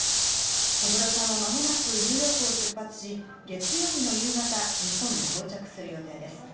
小室さんは、まもなくニューヨークを出発し月曜日の夕方日本に到着するとみられています。